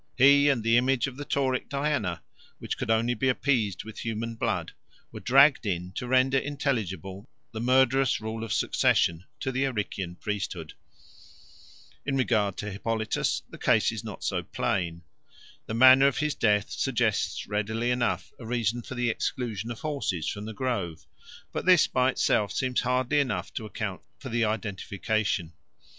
He and the image of the Tauric Diana, which could only be appeased with human blood, were dragged in to render intelligible the murderous rule of succession to the Arician priesthood. In regard to Hippolytus the case is not so plain. The manner of his death suggests readily enough a reason for the exclusion of horses from the grove; but this by itself seems hardly enough to account for the identification.